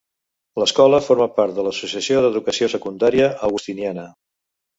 L'escola forma part de l'Associació d'Educació Secundària Augustiniana.